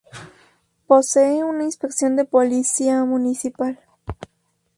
Posee una inspección de policía Municipal.